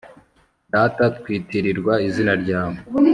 data twitirirwa izina ryawe